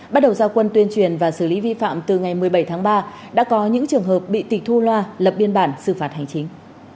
bắt đầu giao quân tuyên truyền và xử lý vi phạm từ ngày một mươi bảy tháng ba đã có những trường hợp bị tịch thu loa lập biên bản xử phạt hành chính